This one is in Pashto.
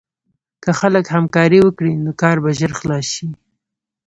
که خلک همکاري وکړي، نو کار به ژر خلاص شي.